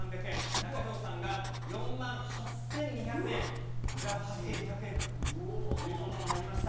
中条さんが４万８２００円、プラス８２００円ということになりました。